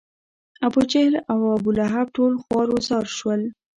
ابوجهل او ابولهب ټول خوار و زار شول.